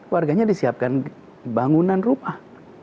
warganya disiapkan bangunan rumah